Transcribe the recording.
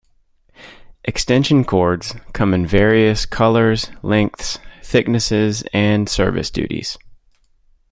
Extension cords come in various colors, lengths, thicknesses and service duties.